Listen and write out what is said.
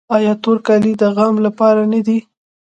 آیا تور کالي د غم لپاره نه دي؟